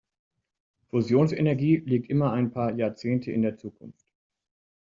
Fusionsenergie liegt immer ein paar Jahrzehnte in der Zukunft.